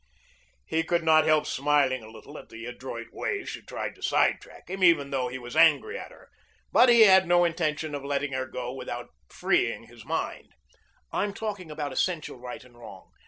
He could not help smiling a little at the adroit way she tried to sidetrack him, even though he was angry at her. But he had no intention of letting her go without freeing his mind. "I'm talking about essential right and wrong.